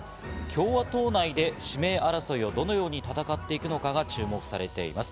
共和党内で指名争いをどのように戦っていくのかが注目されます。